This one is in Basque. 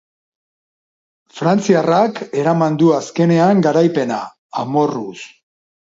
Frantziarrak eraman du azkenean garaipena, amorruz.